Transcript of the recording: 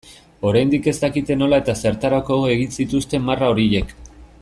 Oraindik ez dakite nola eta zertarako egin zituzten marra horiek.